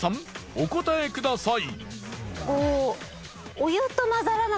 お答えください。